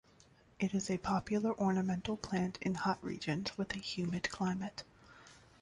It is a popular ornamental plant in hot regions with a humid climate.